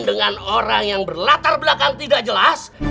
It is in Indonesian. dengan orang yang berlatar belakang tidak jelas